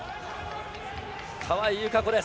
川井友香子です。